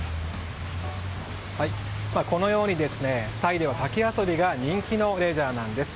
このようにタイでは滝遊びが人気のレジャーなんです。